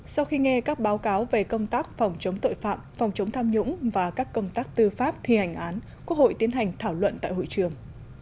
sau khi nghe các báo cáo về công tác phòng chống tội phạm phòng chống tham nhũng và các công tác tư pháp thi hành án quốc hội tiến hành thảo luận tại hội trường